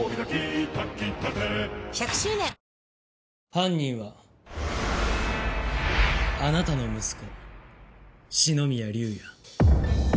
犯人はあなたの息子四ノ宮竜也。